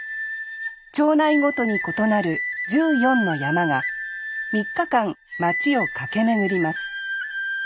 町内ごとに異なる１４の曳山が３日間町を駆け巡ります